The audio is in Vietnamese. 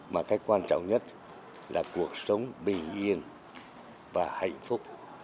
mà cái quan trọng nhất là cuộc sống bình yên và hạnh phúc